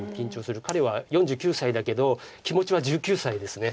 彼は４９歳だけど気持ちは１９歳です。